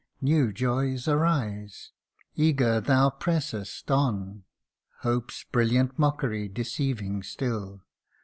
New joys arise eager thou pressest on, Hope's brilliant mockery deceiving still.